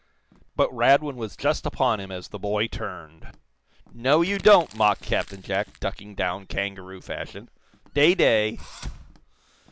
But Radwin was just upon him as the boy turned. "No, you don't!" mocked Captain Jack, ducking down, kangaroo fashion. "Day day!"